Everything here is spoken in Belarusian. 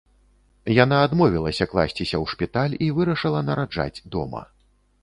Яна адмовілася класціся ў шпіталь і вырашыла нараджаць дома.